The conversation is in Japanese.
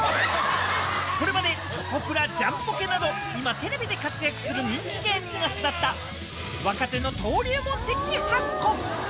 これまでチョコプラ、ジャンポケなど、今、テレビで活躍する人気芸人が巣立った若手の登竜門的ハコ。